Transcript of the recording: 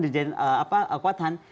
di jalan kuat tahan